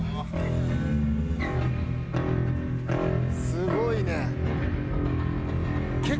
すごいね。